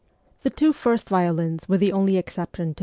The two first violins were the only exceptions to the VOL.